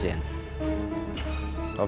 terus dia ngobrol sama teman